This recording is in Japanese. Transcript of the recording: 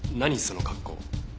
その格好。